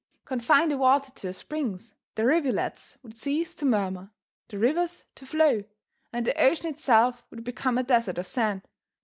Confine the water to the springs, the rivulets would cease to murmur, the rivers to flow, and the ocean itself would become a desert of sand.